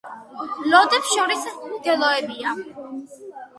ლოდებს შორის მდელოებია.